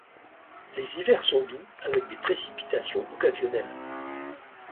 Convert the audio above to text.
Les hivers sont doux avec des précipitations occasionnelles.